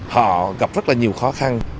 họ gặp rất là nhiều khó khăn